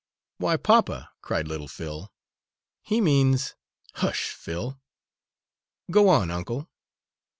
"Why, papa!" cried little Phil, "he means " "Hush, Phil! Go on, uncle."